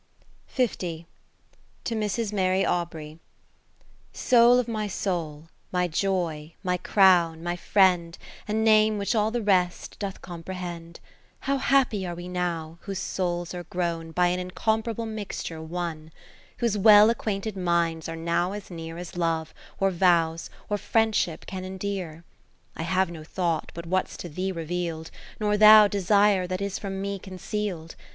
To Mrs. Mary Awbrey Soul of my soul, my Joy, my Crown, my Friend, A name which all the rest doth comprehend ; How happy are we now, whose souls are grown. By an incomparable mixture, one : Whose well acquainted minds are now as near As Love, or Vows, or Friendship can endear ? I have no thought but what's to thee reveal'd, Nor thou desire that is from me conceal'd.